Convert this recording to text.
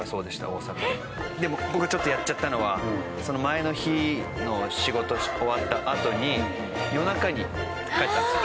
でも僕ちょっとやっちゃったのはその前の日の仕事終わったあとに夜中に帰ったんですよ。